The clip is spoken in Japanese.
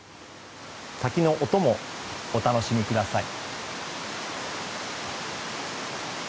滝の音もお楽しみください。